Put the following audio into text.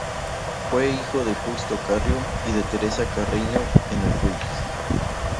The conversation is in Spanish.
Fue hijo de Justo Carrió y de Teresa Carreño de Argüelles.